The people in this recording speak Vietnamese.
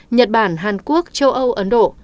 nhật bản hàn quốc châu âu ấn độ